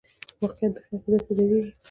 واقعیت د خیال په زړه کې زېږي.